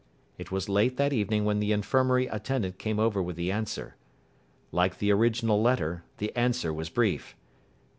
It was late that evening when the infirmary attendant came over with the answer. Like the original letter, the answer was brief.